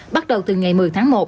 bắt đầu từ ngày một mươi tháng một